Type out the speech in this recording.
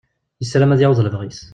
Yessaram ad yaweḍ lebɣi-s.